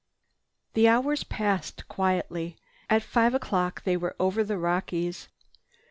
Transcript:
The hours passed quietly. At five o'clock they were over the Rockies.